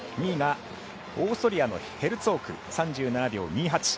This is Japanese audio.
２位がオーストリアのヘルツォーク、３７秒２８。